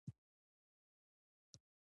نجلۍ تر پاخه لښتي ټوپ کړ.